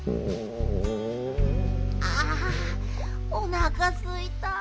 あおなかすいた。